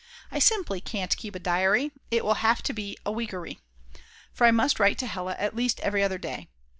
I simply can't keep a diary; it will have to be a weekary. For I must write to Hella at least every other day.